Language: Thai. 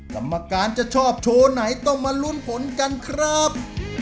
กรรมการจะชอบโชว์ไหนต้องมาลุ้นผลกันครับ